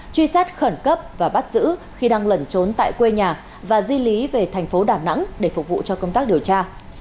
truy xét khẩn cấp và bắt giữ khi đang lẩn trốn tại quê nhà và di lý về thành phố đà nẵng để phục vụ cho công tác điều tra